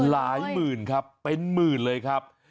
หลายหมื่นครับเป็นหมื่นเลยครับ